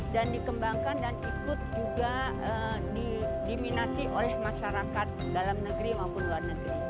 dan dikembangkan dan ikut juga diminati oleh masyarakat dalam negeri maupun luar negeri